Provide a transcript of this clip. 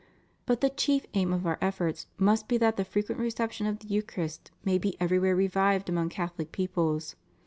But the chief aim of Our efforts must be that the frequent reception of the Eucharist may be everywhere revived among Catholic peoples.